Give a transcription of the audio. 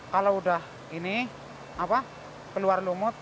kalau udah ini keluar lumut